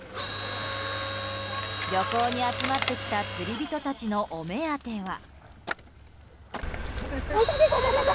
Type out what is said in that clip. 漁港に集まってきた釣り人たちのお目当ては。